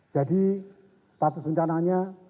jadi status bencananya